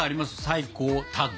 最高タッグ。